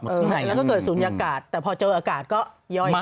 แล้วเขาเกิดศูนยากาศแต่พอเจออากาศก็ย่อยสลาย